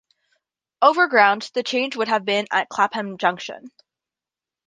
Overground, the change would have been at Clapham Junction.